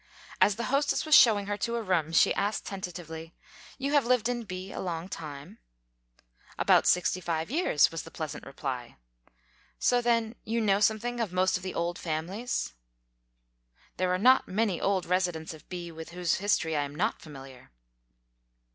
As the hostess was showing her to a room, she asked tentatively, "You have lived in B a long time ?" "About sixty five years," was the pleas ant reply. " So, then, you know something of most of FACTS ABOUT THE KALLIKAK FAMILY 81 the old families ?" "There are not many old residents of B with whose history I am not familiar."